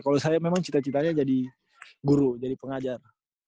kalau saya memang cita citanya jadi guru jadi pengajar